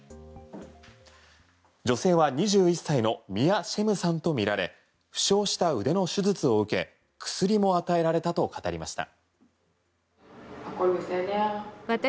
女性は２１歳のミア・シェムさんとみられ負傷した腕の手術を受け薬も与えられたと語りました。